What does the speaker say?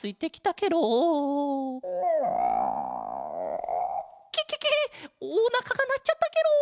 ケケケおなかがなっちゃったケロ！